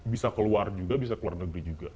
bisa keluar juga bisa keluar negeri juga